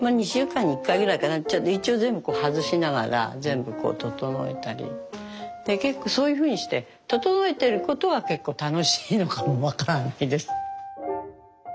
一応全部外しながら全部こう整えたりで結構そういうふうにして整えてることが結構楽しいのかもわからないです。